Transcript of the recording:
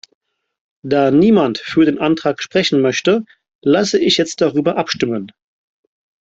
Da niemand für den Antrag sprechen möchte, lasse ich jetzt darüber abstimmen.